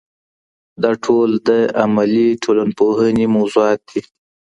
دا ټول د عملي ټولنپوهنې موضوعات دي.